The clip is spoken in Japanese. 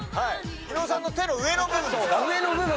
伊野尾さんの手の上の部分。